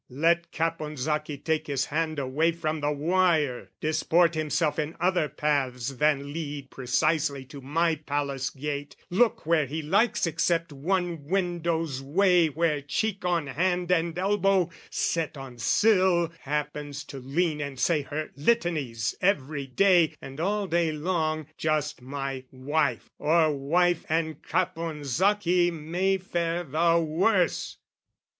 "Let Caponsacchi take his hand away "From the wire! disport himself in other paths "Than lead precisely to my palace gate, "Look where he likes except one window's way "Where cheek on hand, and elbow set on sill, "Happens to lean and say her litanies "Every day and all day long, just my wife "Or wife and Caponsacchi may fare the worse!"